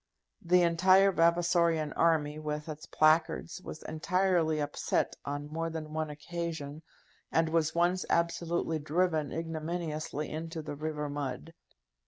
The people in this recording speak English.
The entire Vavasorian army with its placards was entirely upset on more than one occasion, and was once absolutely driven ignominiously into the river mud.